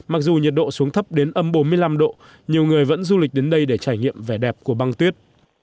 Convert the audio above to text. mặc dù nhiệt độ xuống thấp đến âm bốn mươi năm độ nhiều người vẫn du lịch đến đây để trải nghiệm vẻ đẹp của băng tuyết